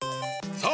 さあ！